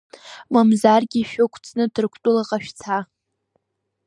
Мамзаргьы шәықәҵны Ҭырқәтәылаҟа шәца!